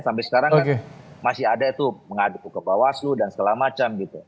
sampai sekarang kan masih ada itu mengadu ke bawaslu dan segala macam gitu